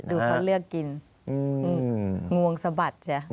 ดูเขาเลือกกินงวงสะบัดใช่ไหม